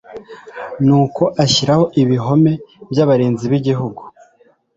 nuko ashyiraho ibihome by'abarinzi b'igihugu